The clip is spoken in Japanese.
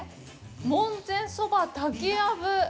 門前そば竹やぶ。